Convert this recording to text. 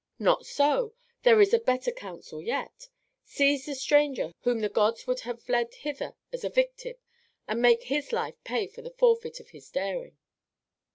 Not so, there is a better counsel yet; seize the stranger whom the gods have led hither as a victim and make his life pay the forfeit of his daring.